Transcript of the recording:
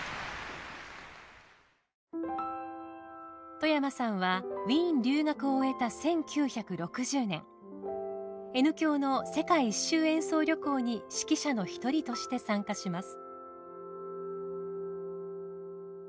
外山さんはウィーン留学を終えた１９６０年Ｎ響の世界一周演奏旅行に指揮者の一人として参加します。